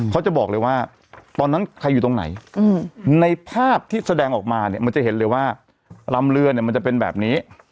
เขาจะบอกเลยว่าตอนนั้นใครอยู่ตรงไหนในภาพที่แสดงออกมาเนี่ยมันจะเห็นเลยว่าลำเรือเนี่ยมันจะเป็นแบบนี้